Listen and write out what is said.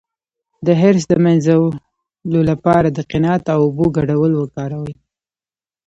د حرص د مینځلو لپاره د قناعت او اوبو ګډول وکاروئ